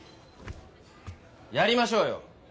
やりましょうよ